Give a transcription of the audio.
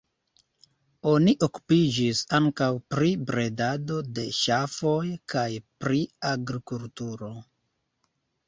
Oni okupiĝis ankaŭ pri bredado de ŝafoj kaj pri agrikulturo.